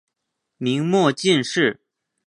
明末进士。